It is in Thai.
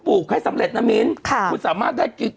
บุกให้สำเร็จนะมีน